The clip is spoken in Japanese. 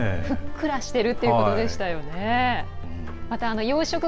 ふっくらしてるということでしたよね。